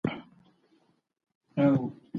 هغه په پوره حوصلي سره د خپل دوست انتظار وکړ.